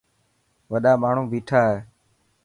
وڏا ماڻهو ٻيٺا هي.